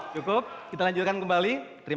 cukup kita lanjutkan kembali